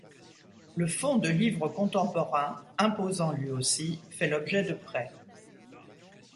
Le fonds de livres contemporains, imposant lui aussi, fait l'objet de prêts.